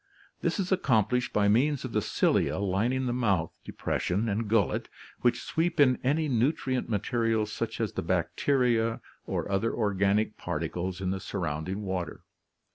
This is accomplished by means of THE ORGANIC KINGDOM 25 the cQia lining the mouth depression and gullet, which sweep in any nutrient material such as the bacteria or other organic particles in the surrounding water.